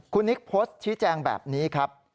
คุณนิกโพสต์ชี้แจงแบบนี้ครับ